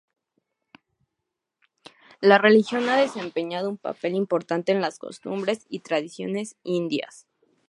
La religión ha desempeñado un papel importante en las costumbres y tradiciones indias.